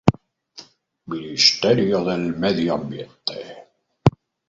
Ministerio del Medio Ambiente.